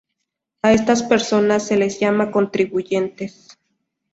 A estas personas se les llama contribuyentes.